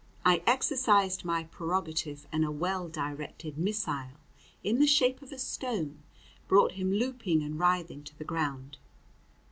I exercised my prerogative, and a well directed missile, in the shape of a stone, brought him looping and writhing to the ground.